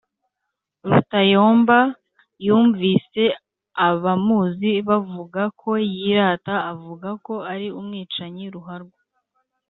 Rutayomba numvise abamuzi bavuga ko yirata avuga ko ari umwicanyi ruharwa,